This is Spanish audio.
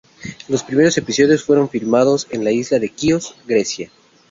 Los primeros episodios fueron filmados en la isla de Quíos, Grecia.